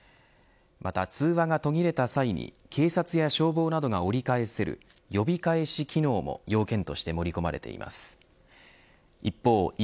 また通話が途切れた際に警察や消防などが折り返せる呼び返し機能も要件として盛り込まれています。